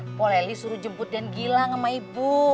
mpo leli suruh jemput den gilang sama ibu